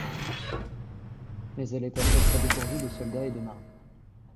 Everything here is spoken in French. Mais elle était à peu près dépourvue de soldats et de marins.